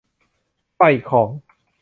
ปล่อยของ